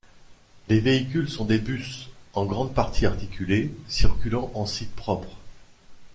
Les véhicules sont des bus, en grande partie articulés, circulant en site propre.